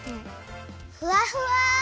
ふわふわ！